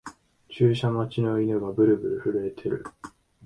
注射待ちの犬がブルブル震えてる